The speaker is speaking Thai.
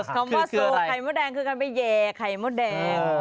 คำว่าโศกไข่มดแดงคือการไปแย่ไข่มดแดง